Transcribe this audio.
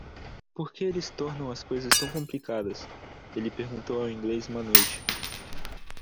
"Por que eles tornam as coisas tão complicadas?" Ele perguntou ao inglês uma noite.